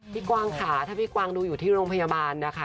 กวางค่ะถ้าพี่กวางดูอยู่ที่โรงพยาบาลนะคะ